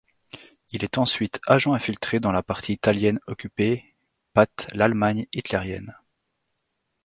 Il est ensuite agent infiltré dans la partie italienne occupée pat l'Allemagne hitlérienne.